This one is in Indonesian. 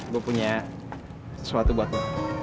gue punya sesuatu buat lo